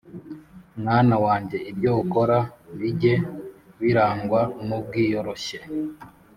Mwana wanjye, ibyo ukora bijye birangwa n’ubwiyoroshye,